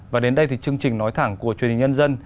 và đến đây thì chương trình nói thẳng của truyền hình nhân dân